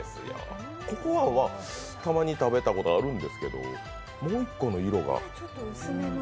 ここはたまに食べたことあるんですけど、もう１個の色が。